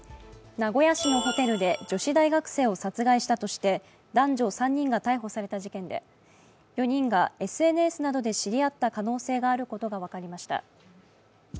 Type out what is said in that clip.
名古屋市のホテルで女子大学生を殺害したとして男女３人が逮捕された事件で４人がＳＮＳなどで知り合った可能性があることが分かりました。